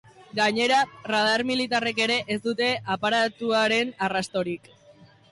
Gainera, radar militarrek ere ez dute aparatuaren arrastorik.